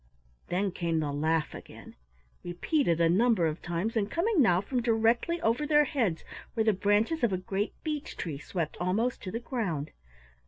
Then came the laugh again, repeated a number of times and coming now from directly over their heads where the branches of a great beech tree swept almost to the ground.